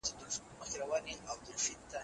حکومتونه څنګه په محکمه کي انصاف راولي؟